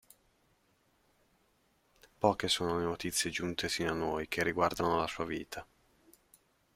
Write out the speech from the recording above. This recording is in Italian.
Poche sono le notizie, giunte sino a noi, che riguardano la sua vita.